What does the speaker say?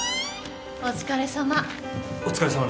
お疲れさま